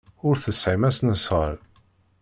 Ur tesɛim asnasɣal.